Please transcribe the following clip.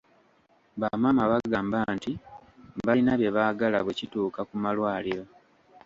Bamaama bagamba nti balina bye baagala bwe kituuka ku malwaliro.